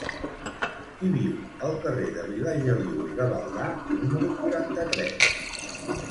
Qui viu al carrer de Vilageliu i Gavaldà número quaranta-tres?